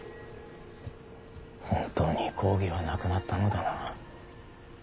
本当に公儀はなくなったのだな。